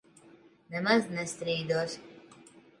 Nemaz nestrīdos.